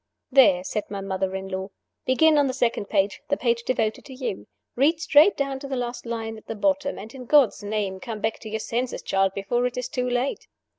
"There!" said my mother in law. "Begin on the second page, the page devoted to you. Read straight down to the last line at the bottom, and, in God's name, come back to your senses, child, before it is too late!"